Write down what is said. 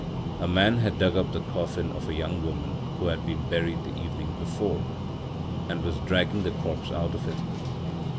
A man had dug up the coffin of a young woman who had been buried the evening before and was dragging the corpse out of it.